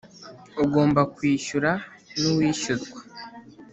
ugomba kwishyura n’uwishyurwa.